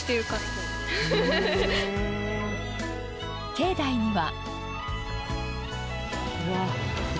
境内には。